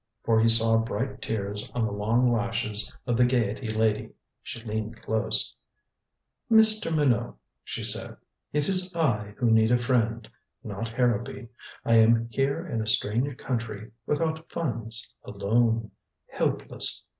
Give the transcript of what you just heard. For he saw bright tears on the long lashes of the Gaiety lady. She leaned close. "Mr. Minot," she said, "it is I who need a friend. Not Harrowby. I am here in a strange country without funds alone. Helpless.